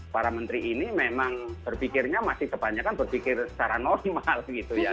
karena kondisi ini memang berpikirnya masih kebanyakan berpikir secara normal gitu ya